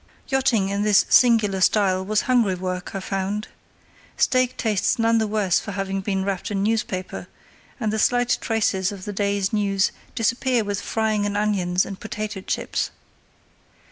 Yachting in this singular style was hungry work, I found. Steak tastes none the worse for having been wrapped in newspaper, and the slight traces of the day's news disappear with frying in onions and potato chips.